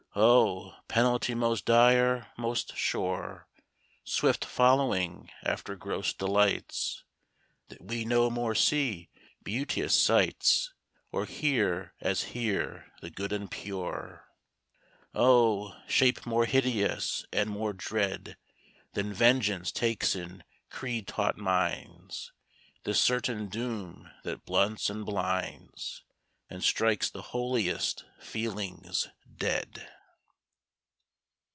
O! penalty most dire, most sure, Swift following after gross delights, That we no more see beauteous sights, Or hear as hear the good and pure. O! shape more hideous and more dread Than Vengeance takes in creed taught minds, This certain doom that blunts and blinds, And strikes the holiest feelings dead.